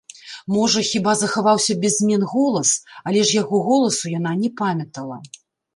Можа, хіба захаваўся без змен голас, але ж яго голасу яна не памятала.